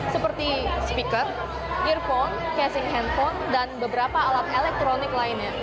seperti speaker earphone casing handphone dan beberapa alat elektronik lainnya